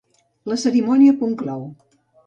La cerimònia conclou.